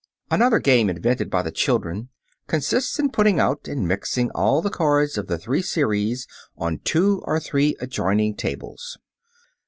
Another game invented by the children consists in putting out and mixing all the cards of the three series on two or three adjoining tables.